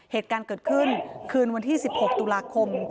เหตุการณ์เกิดขึ้นคืนวันที่๑๖ตุลาคม